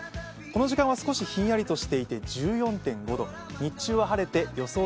この時間は少しひんやりとしていて１４．５度、日中は晴れて予想